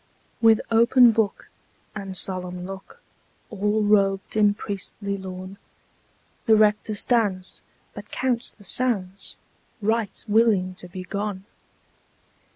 With open book, and solemn look, All robed in priestly lawn, The Rector stands, but counts the sands, Right willing to be gone!